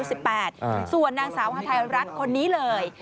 แล้วยังคือนางสาวภาทัยรักษ์คนนี้เลย